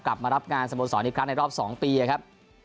กลับมารับงานสโมสรอีกครั้งในรอบ๒ปีครับ